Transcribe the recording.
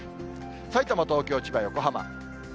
さいたま、東京、千葉、横浜。